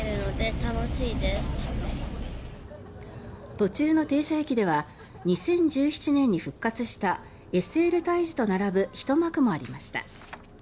途中の停車駅では２０１７年に復活したＳＬ大樹と並ぶひと幕もありました。